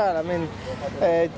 tidak dia main dengan baik